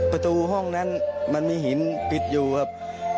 ประตูห้องนั้นมันมีหินปิดอยู่ครับ